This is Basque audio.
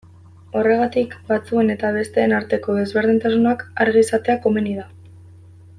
Horregatik, batzuen eta besteen arteko desberdintasunak argi izatea komeni da.